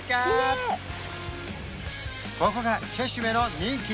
ここがチェシュメの人気